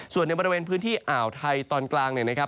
ส่วนในบริเวณพื้นที่อ่าวไทยตอนกลางเนี่ยนะครับ